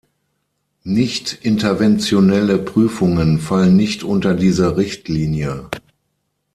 Nicht-interventionelle Prüfungen fallen nicht unter diese Richtlinie.